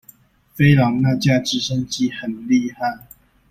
飛狼那架直升機很厲害